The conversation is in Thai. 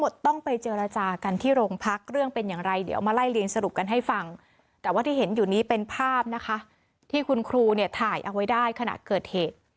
ดูเนี่ยถ่ายเอาไว้ได้ขณะเกิดเหตุ